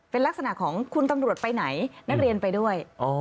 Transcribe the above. เป็นลักษณะของคุณตำรวจไปไหนนักเรียนไปด้วย